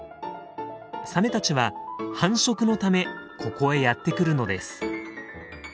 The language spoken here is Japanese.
サメたちは繁殖のためここへやって来るのです。